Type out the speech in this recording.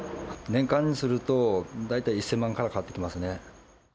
年間にすると、大体１０００万から変わってきますね。